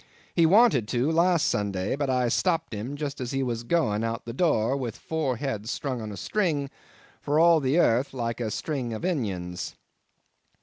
He wanted to, last Sunday, but I stopped him just as he was goin' out of the door with four heads strung on a string, for all the airth like a string of inions."